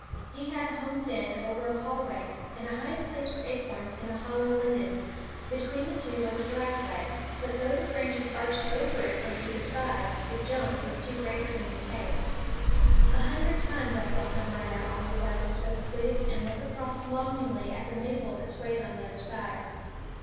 He had a home den over a hallway, and a hiding place for acorns in a hollow linden. Between the two was a driveway; but though the branches arched over it from either side, the jump was too great for him to take. A hundred times I saw him run out on the farthest oak twig and look across longingly at the maple that swayed on the other side.